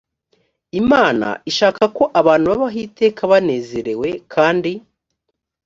imana ishaka ko abantu babaho iteka banezerewe kandi